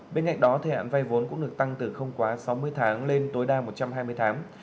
bên cạnh đó thời hạn vay vốn cũng được tăng từ không quá sáu mươi tháng lên tối đa một trăm hai mươi tháng